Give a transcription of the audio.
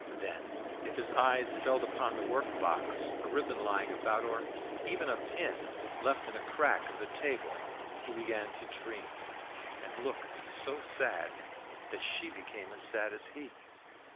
Then, if his eyes fell upon the workbox, a ribbon lying about, or even a pin left in a crack of the table, he began to dream, and looked so sad that she became as sad as he.